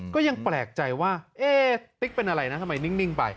ก็ยังแปลกใจว่าติ๊กเป็นอะไรนะทำไมนิ่งไป